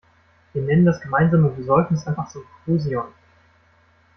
Wir nennen das gemeinsame Besäufnis einfach Symposion.